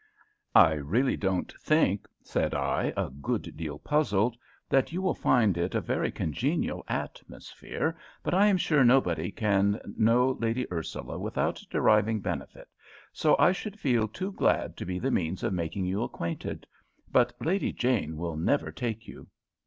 "I really don't think," said I, a good deal puzzled, "that you will find it a very congenial atmosphere, but I am sure nobody can know Lady Ursula without deriving benefit, so I should feel too glad to be the means of making you acquainted; but Lady Jane will never take you."